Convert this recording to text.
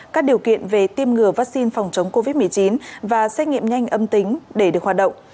các điều kiện về tiêm ngừa vaccine phòng chống covid một mươi chín và xét nghiệm nhanh âm tính để được hoạt động